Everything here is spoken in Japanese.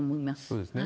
そうですね。